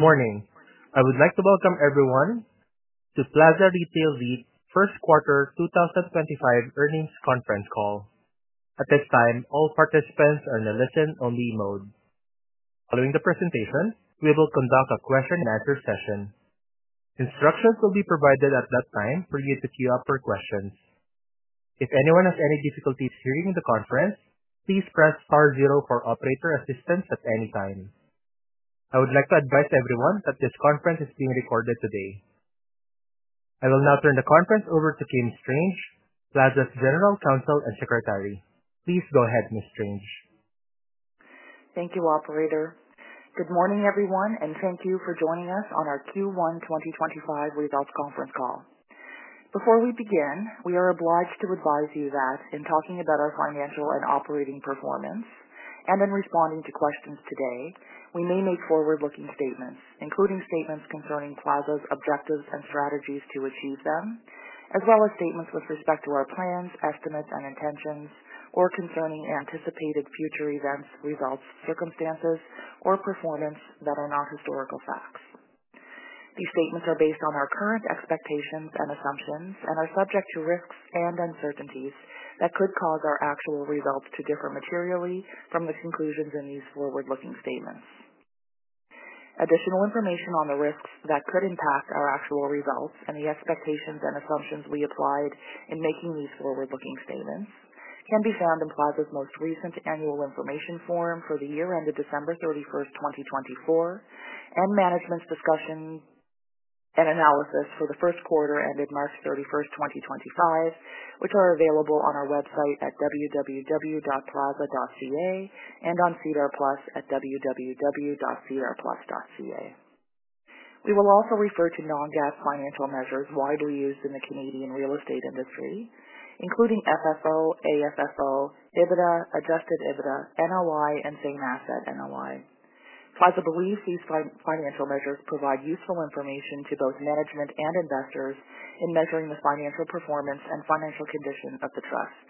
Good morning. I would like to welcome everyone to Plaza Retail REIT Q3 2025 Earnings Conference Call. At this time, all participants are in the listen-only mode. Following the presentation, we will conduct a question-and-answer session. Instructions will be provided at that time for you to queue up for questions. If anyone has any difficulties hearing the conference, please press star zero for operator assistance at any time. I would like to advise everyone that this conference is being recorded today. I will now turn the conference over to Kim Strange, Plaza's General Counsel and Secretary. Please go ahead, Ms. Kim Strange. Thank you, Operator. Good morning, everyone, and thank you for joining us on our Q1 2025 Results Conference Call. Before we begin, we are obliged to advise you that in talking about our financial and operating performance and in responding to questions today, we may make forward-looking statements, including statements concerning Plaza's Retail REIT objectives and strategies to achieve them, as well as statements with respect to our plans, estimates, and intentions, or concerning anticipated future events, results, circumstances, or performance that are not historical facts. These statements are based on our current expectations and assumptions and are subject to risks and uncertainties that could cause our actual results to differ materially from the conclusions in these forward-looking statements. Additional information on the risks that could impact our actual results and the expectations and assumptions we applied in making these forward-looking statements can be found in Plaza's Retail REIT most recent annual information form for the year ended December 31st, 2024, and management's discussion and analysis for the Q3 ended March 31, 2025, which are available on our website at www.plaza.ca and on SEDAR plus at www.sedarplus.ca. We will also refer to non-GAAP financial measures widely used in the Canadian real estate industry, including FFO, AFFO, EBITDA, Adjusted EBITDA, NOI, and same asset NOI. Plaza Retail REIT believes these financial measures provide useful information to both management and investors in measuring the financial performance and financial condition of the trust.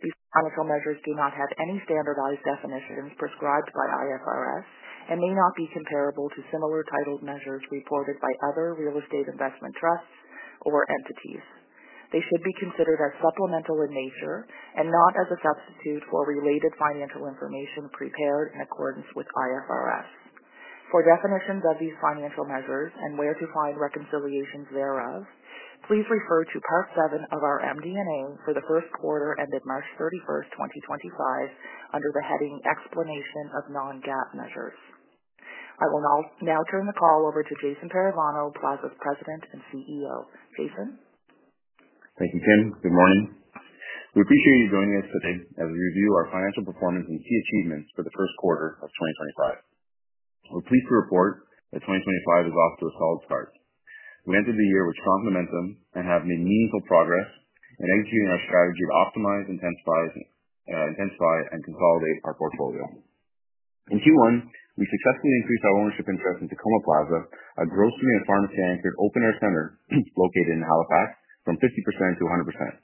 These financial measures do not have any standardized definitions prescribed by IFRS and may not be comparable to similar titled measures reported by other real estate investment trusts or entities. They should be considered as supplemental in nature and not as a substitute for related financial information prepared in accordance with IFRS. For definitions of these financial measures and where to find reconciliations thereof, please refer to Part 7 of our MD&A for the Q3 ended March 31st, 2025, under the heading Explanation of Non-GAAP Measures. I will now turn the call over to Jason Parravano, Plaza's President and CEO. Jason Parravano. Thank you, Kim Strange. Good morning. We appreciate you joining us today as we review our financial performance and key achievements for the Q3 of 2025. We're pleased to report that 2025 is off to a solid start. We entered the year with strong momentum and have made meaningful progress in executing our strategy to optimize, intensify, and consolidate our portfolio. In Q1, we successfully increased our ownership interest in Tacoma Plaza, a grocery pharmacy-anchored open-air center located in Halifax, from 50% to 100%.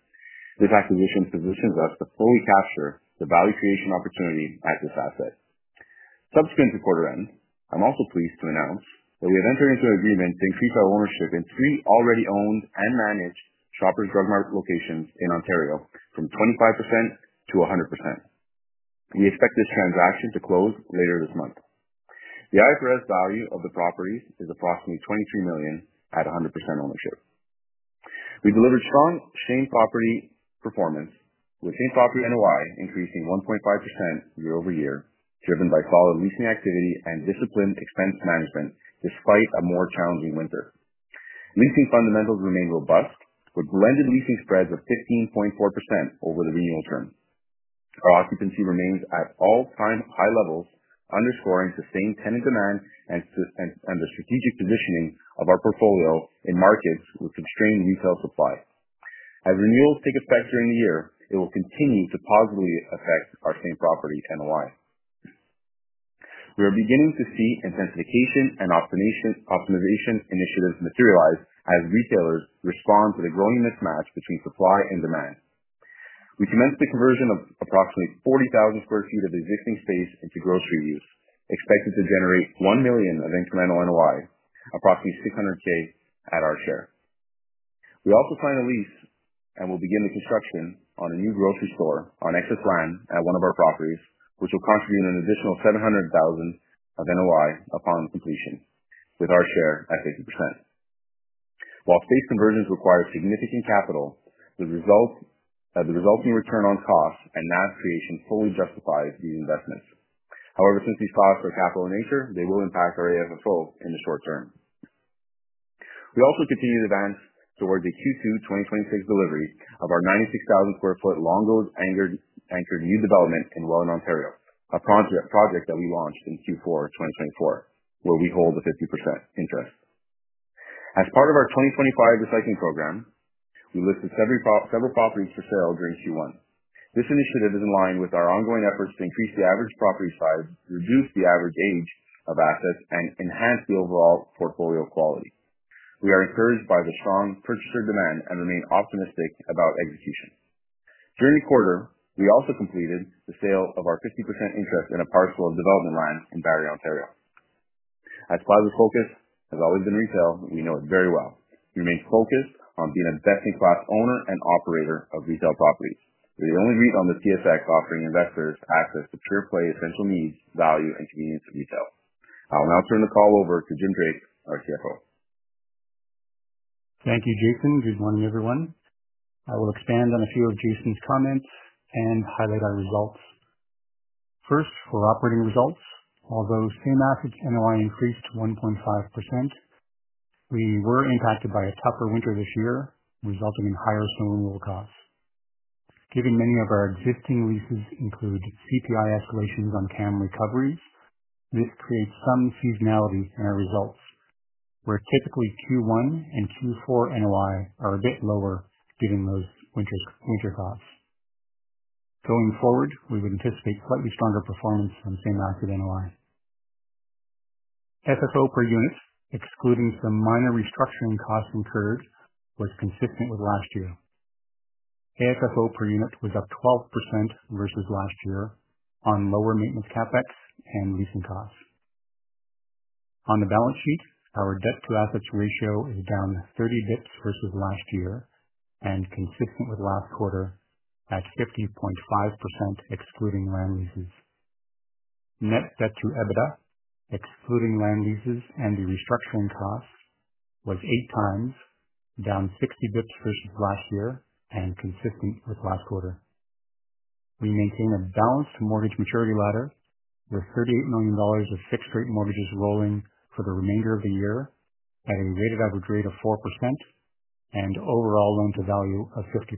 This acquisition positions us to fully capture the value creation opportunity at this asset. Subsequent to quarter end, I'm also pleased to announce that we have entered into an agreement to increase our ownership in three already owned and managed Shoppers Drug Mart locations in Ontario from 25% to 100%. We expect this transaction to close later this month. The IFRS value of the properties is approximately 23 million at 100% ownership. We delivered strong same property performance, with same property NOI increasing 1.5% year-over-year, driven by solid leasing activity and disciplined expense management despite a more challenging winter. Leasing fundamentals remain robust, with blended leasing spreads of 15.4% over the renewal term. Our occupancy remains at all-time high levels, underscoring sustained tenant demand and the strategic positioning of our portfolio in markets with constrained retail supply. As renewals take effect during the year, it will continue to positively affect our same property NOI. We are beginning to see intensification and optimization initiatives materialize as retailers respond to the growing mismatch between supply and demand. We commenced the conversion of approximately 40,000 sq ft of existing space into grocery use, expected to generate 1 million of incremental NOI, approximately 600,000 at our share. We also signed a lease and will begin the construction on a new grocery store on excess land at one of our properties, which will contribute an additional 700,000 of NOI upon completion, with our share at 50%. While space conversions require significant capital, the resulting return on cost and NAS creation fully justifies these investments. However, since these costs are capital in nature, they will impact our AFFO in the short-term. We also continue to advance towards a Q2 2026 delivery of our 96,000 sq ft Longo's anchored new development in Welland, Ontario, a project that we launched in Q4 2024, where we hold a 50% interest. As part of our 2025 recycling program, we listed several properties for sale during Q1. This initiative is in line with our ongoing efforts to increase the average property size, reduce the average age of assets, and enhance the overall portfolio quality. We are encouraged by the strong purchaser demand and remain optimistic about execution. During the quarter, we also completed the sale of our 50% interest in a parcel of development land in Barrie, Ontario. As Plaza's Retail REIT focus has always been retail, we know it very well. We remain focused on being a best-in-class owner and operator of retail properties. We're the only REIT on the TSX offering investors access to pure-play essential needs, value, and convenience of retail. I'll now turn the call over to Jim Drake, our CFO. Thank you, Jason Parravano. Good morning, everyone. I will expand on a few of Jason's Parravano comments and highlight our results. First, for operating results, although same asset NOI increased 1.5%, we were impacted by a tougher winter this year, resulting in higher snow removal costs. Given many of our existing leases include CPI escalations on CAM recoveries, this creates some seasonality in our results, where typically Q1 and Q4 NOI are a bit lower given those winter costs. Going forward, we would anticipate slightly stronger performance on same asset NOI. FFO per unit, excluding some minor restructuring costs incurred, was consistent with last year. AFFO per unit was up 12% versus last year on lower maintenance CapEx and leasing costs. On the balance sheet, our debt-to-assets ratio is down 30 basis points versus last year and consistent with last quarter at 50.5%, excluding land leases. Net debt-to-EBITDA, excluding land leases and the restructuring costs, was eight times, down 60 basis points versus last year and consistent with last quarter. We maintain a balanced mortgage maturity ladder, with 38 million dollars of fixed-rate mortgages rolling for the remainder of the year at a weighted average rate of 4% and overall loan-to-value of 50%.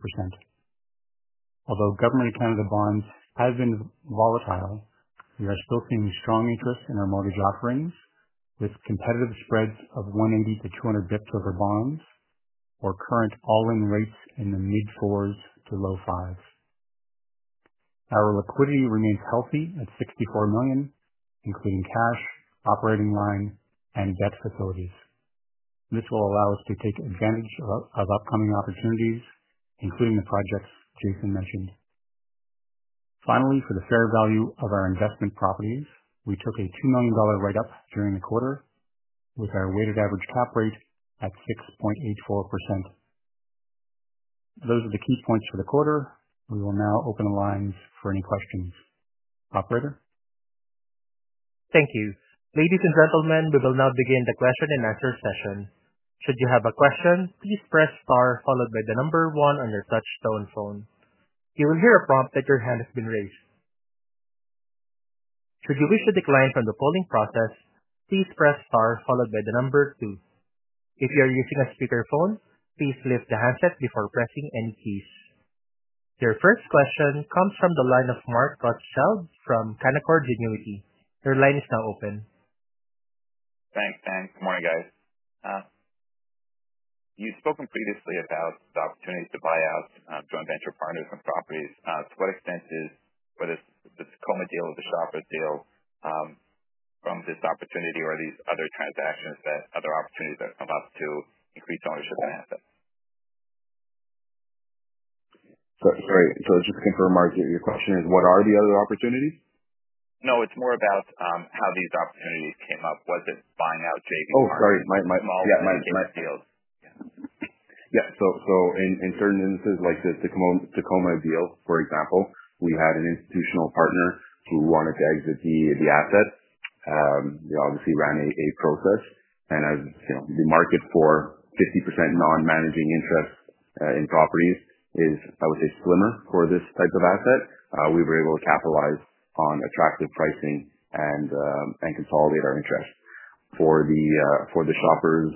Although government and Canada bonds have been volatile, we are still seeing strong interest in our mortgage offerings, with competitive spreads of 180 basis points to 200 basis points over bonds or current all-in rates in the mid-fours to low-fives. Our liquidity remains healthy at 64 million, including cash, operating line, and debt facilities. This will allow us to take advantage of upcoming opportunities, including the projects Jason Parravano mentioned. Finally, for the fair value of our investment properties, we took a 2 million dollar write-up during the quarter, with our weighted average cap rate at 6.84%. Those are the key points for the quarter. We will now open the lines for any questions. Operator. Thank you. Ladies and gentlemen, we will now begin the question-and-answer session. Should you have a question, please press star followed by the number one on your touch-tone phone. You will hear a prompt that your hand has been raised. Should you wish to decline from the polling process, please press star followed by the number two. If you are using a speakerphone, please lift the handset before pressing any keys. Your first question comes from the line of Marc Rothschild from Canaccord Genuity. Your line is now open. Thanks, Dan. Good morning, guys. You'd spoken previously about the opportunities to buy out joint venture partners and properties. To what extent is whether it's the Tacoma Deal or the Shoppers deal from this opportunity or these other transactions that other opportunities that come up to increase ownership and assets? Sorry. Just to confirm, Marc Rothschild, your question is, what are the other opportunities? No, it's more about how these opportunities came up. Was it buying out JV partners? Oh, sorry. My. Small business deals. Yeah. In certain instances, like the Tacoma Deal, for example, we had an institutional partner who wanted to exit the asset. We obviously ran a process, and as the market for 50% non-managing interest in properties is, I would say, slimmer for this type of asset, we were able to capitalize on attractive pricing and consolidate our interest. For the Shoppers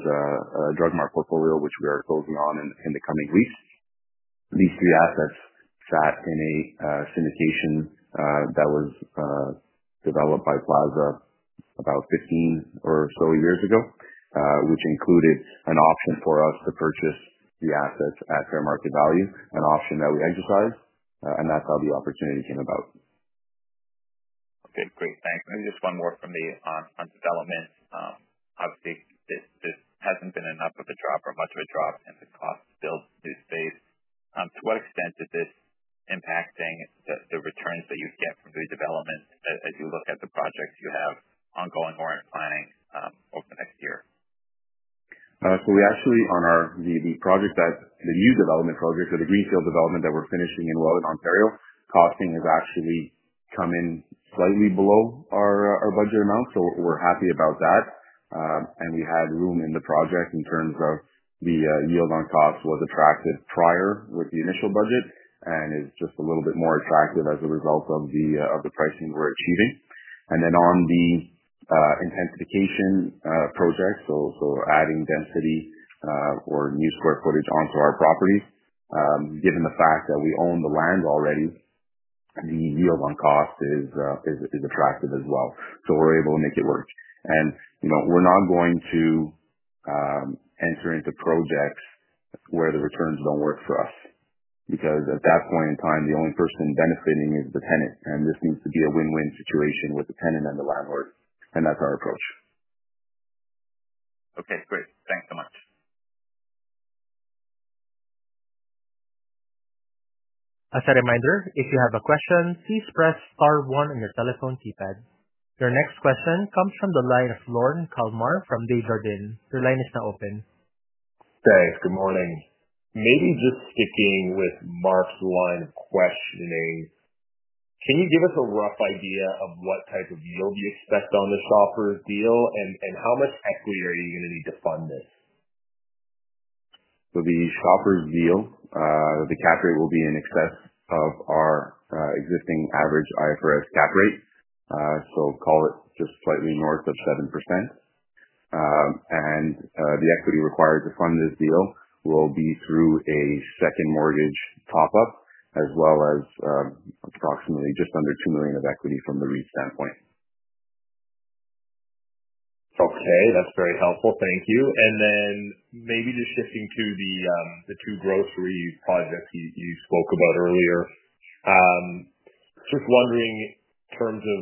Drug Mart portfolio, which we are closing on in the coming weeks, these three assets sat in a syndication that was developed by Plaza Retail REIT about 15 or so years ago, which included an option for us to purchase the assets at fair market value, an option that we exercised, and that is how the opportunity came about. Okay. Great. Thanks. Maybe just one more from me on development. Obviously, this hasn't been enough of a drop or much of a drop, and the cost still stays. To what extent is this impacting the returns that you get from new developments as you look at the projects you have ongoing or in planning over the next year? We actually, on our project, the new development project or the greenfield development that we are finishing in Welland, Ontario, costing has actually come in slightly below our budget amount, so we are happy about that. We had room in the project in terms of the yield on cost was attractive prior with the initial budget and is just a little bit more attractive as a result of the pricing we are achieving. On the intensification project, so adding density or new square footage onto our properties, given the fact that we own the land already, the yield on cost is attractive as well. We are able to make it work. We are not going to enter into projects where the returns do not work for us because at that point in time, the only person benefiting is the tenant, and this needs to be a win-win situation with the tenant and the landlord, and that is our approach. Okay. Great. Thanks so much. As a reminder, if you have a question, please press star on your telephone keypad. Your next question comes from the line of Lorne Kalmar from Desjardins. Your line is now open. Thanks. Good morning. Maybe just sticking with Marc Rothschild line of questioning, can you give us a rough idea of what type of yield you expect on the Shoppers deal, and how much equity are you going to need to fund this? The Shoppers Deal, the cap rate will be in excess of our existing average IFRS cap rate, so call it just slightly north of 7%. The equity required to fund this deal will be through a second mortgage top-up, as well as approximately just under 2 million of equity from the REIT standpoint. Okay. That's very helpful. Thank you. Maybe just shifting to the two grocery projects you spoke about earlier, just wondering in terms of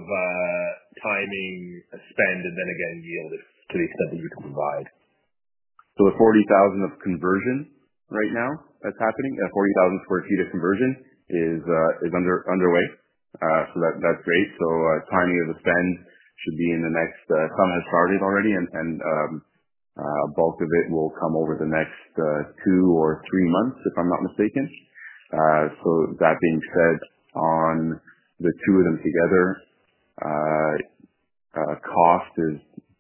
timing, spend, and then again, yield to the extent that you can provide. The $40,000 of conversion right now that's happening, the 40,000 sq ft of conversion is underway, so that's great. Timing of the spend should be in the next—some has started already, and bulk of it will come over the next two or three months, if I'm not mistaken. That being said, on the two of them together, cost is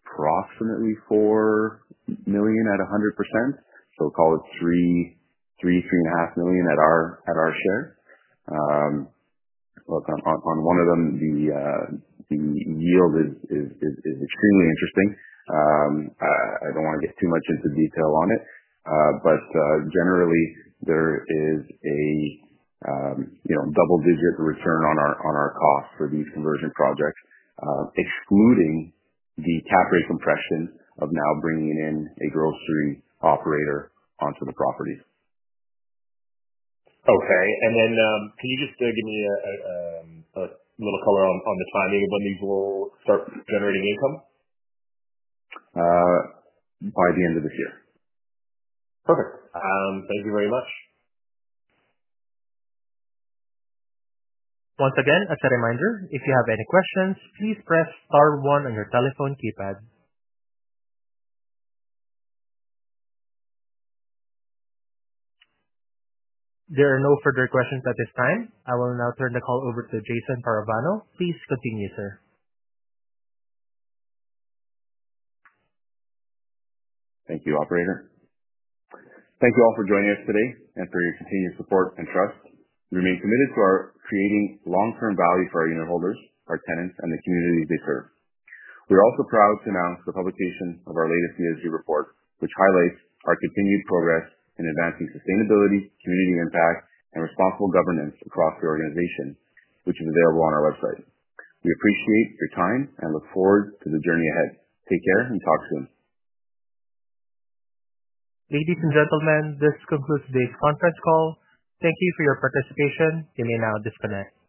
approximately 4 million at 100%, so call it 3 million-3.5 million at our share. Look, on one of them, the yield is extremely interesting. I don't want to get too much into detail on it, but generally, there is a double-digit return on our cost for these conversion projects, excluding the cap rate compression of now bringing in a grocery operator onto the properties. Okay. Can you just give me a little color on the timing of when these will start generating income? By the end of this year. Perfect. Thank you very much. Once again, as a reminder, if you have any questions, please press star on your telephone keypad. There are no further questions at this time. I will now turn the call over to Jason Parravano. Please continue, sir. Thank you, Operator. Thank you all for joining us today and for your continued support and trust. We remain committed to creating long-term value for our unit holders, our tenants, and the communities they serve. We're also proud to announce the publication of our latest ESG report, which highlights our continued progress in advancing sustainability, community impact, and responsible governance across the organization, which is available on our website. We appreciate your time and look forward to the journey ahead. Take care and talk soon. Ladies and gentlemen, this concludes today's conference call. Thank you for your participation. You may now disconnect.